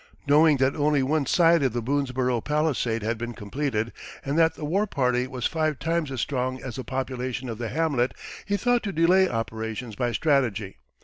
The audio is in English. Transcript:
Knowing that only one side of the Boonesborough palisade had been completed, and that the war party was five times as strong as the population of the hamlet, he thought to delay operations by strategy.